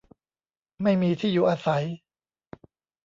ไม่มีที่อยู่อาศัย